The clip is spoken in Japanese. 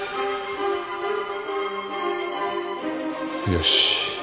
よし。